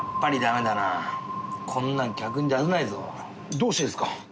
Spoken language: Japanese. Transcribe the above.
どうしてですか？